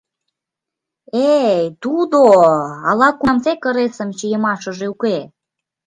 Э-эй-й, тудо-о-о ала-кунамсек ыресым чийымашыже уке.